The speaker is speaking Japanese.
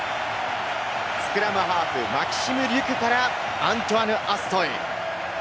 スクラムハーフ、マキシム・リュキュからアントワンヌ・アストイ。